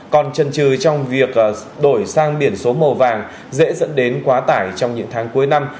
còn trần trừ trong việc đổi sang biển số màu vàng dễ dẫn đến quá tải trong những tháng cuối năm